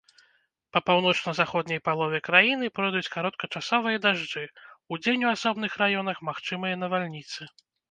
Па паўночна-заходняй палове краіны пройдуць кароткачасовыя дажджы, удзень у асобных раёнах магчымыя навальніцы.